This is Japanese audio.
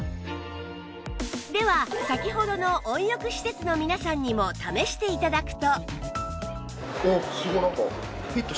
では先ほどの温浴施設の皆さんにも試して頂くと